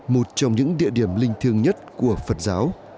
một trong những địa điểm linh thiêng nhất của phật giáo